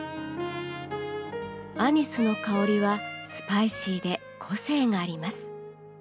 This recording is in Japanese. アニスの香りはスパイシーで個性があります。